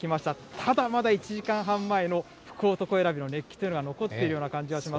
ただまだ１時間半前の福男選びの熱気というのは、残っているような感じがします。